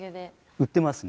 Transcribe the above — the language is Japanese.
売ってますね。